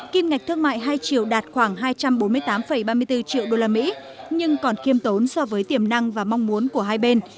kim ngạch thương mại hai triệu đạt khoảng hai trăm bốn mươi tám ba mươi bốn triệu đô la mỹ nhưng còn kiêm tốn so với tiềm năng và mong muốn của hai bên